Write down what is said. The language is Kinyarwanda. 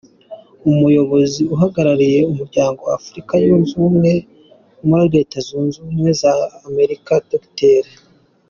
Umuyobozi uhagarariye Umuryango wa Afurika Yunze Ubumwe muri Leta Zunze Ubumwe za Amerika, Dr.